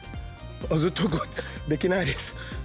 ずっと動いてできないです。